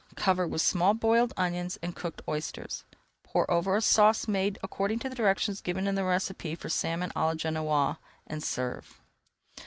Cover with small boiled onions and cooked oysters. Pour over a sauce made according to directions given in the recipe for Salmon à la Genoise, and serve.